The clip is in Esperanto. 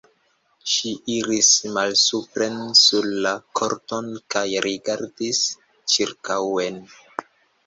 Ŝi iris malsupren sur la korton kaj rigardis ĉirkaŭen.